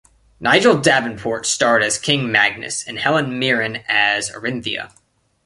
Nigel Davenport starred as King Magnus and Helen Mirren as Orinthia.